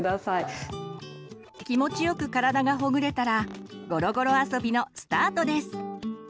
気持ちよく体がほぐれたらごろごろ遊びのスタートです。